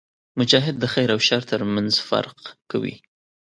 مجاهد د خیر او شر ترمنځ فرق کوي.